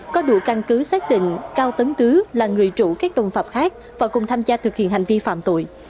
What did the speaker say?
có đủ căn cứ xác định cao tấn tứ là người chủ các đồn phạm khác và cùng tham gia thực hiện hành vi phạm tội